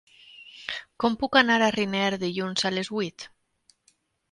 Com puc anar a Riner dilluns a les vuit?